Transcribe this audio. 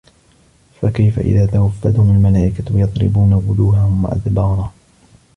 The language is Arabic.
فَكَيفَ إِذا تَوَفَّتهُمُ المَلائِكَةُ يَضرِبونَ وُجوهَهُم وَأَدبارَهُم